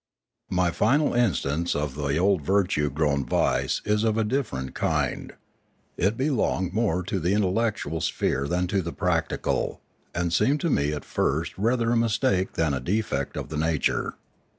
My final instance of the old virtue grown vice is of a different kind. It belonged more to the intellectual sphere than to the practical, and seemed to me at first rather a mistake than a defect of the nature.